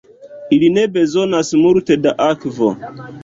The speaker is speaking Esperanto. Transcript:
Ili ne bezonas multe da akvo.